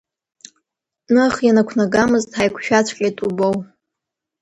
Ных, ианақәнагамыз ҳаиқәшәаҵәҟьеит убоу…